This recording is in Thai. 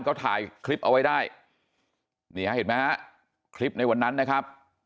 ก็ถ่ายคลิปเอาไว้ได้นี่ฮะเห็นไหมฮะคลิปในวันนั้นนะครับ